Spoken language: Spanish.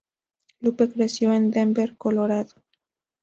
Lupe creció en Denver, Colorado.